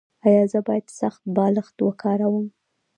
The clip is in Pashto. ایا زه باید سخت بالښت وکاروم؟